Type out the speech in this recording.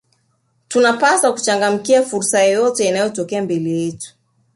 tunapaswa kuchangamkia fursa yeyote inayotokea mbele yetu